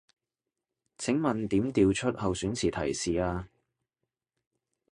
請問點調出候選詞提示啊